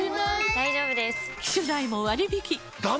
大丈夫です！